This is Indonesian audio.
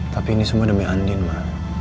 tapi ini semua demi andin pak